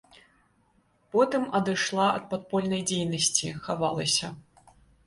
Потым адышла ад падпольнай дзейнасці, хавалася.